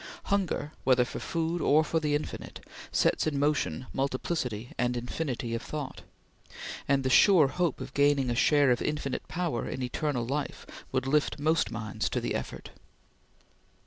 Hunger, whether for food or for the infinite, sets in motion multiplicity and infinity of thought, and the sure hope of gaining a share of infinite power in eternal life would lift most minds to effort.